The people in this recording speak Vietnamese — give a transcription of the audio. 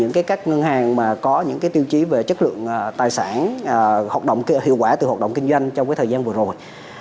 hoặc là các ngân hàng có những tiêu chí về chất lượng tài sản hiệu quả từ hợp động kinh doanh trong thời gian vừa rồi